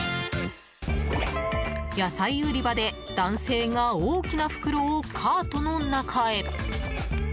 野菜売り場で男性が大きな袋をカートの中へ。